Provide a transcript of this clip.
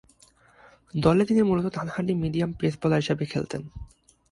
দলে তিনি মূলতঃ ডানহাতি মিডিয়াম পেস বোলার হিসেবে খেলতেন।